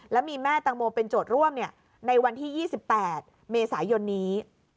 และมีแม่ตังโมเป็นโจทย์ร่วมในวันที่๒๘เมษายนนี้